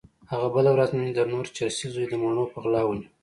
هغه بله ورځ مې هم د نور چرسي زوی د مڼو په غلا ونيو.